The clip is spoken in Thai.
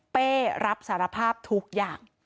เป้รับสารภาพทุกอย่าง